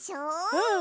うん！